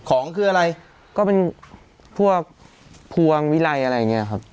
ของคืออะไรก็เป็นพวกพวงวิไลอะไรอย่างนี้ครับ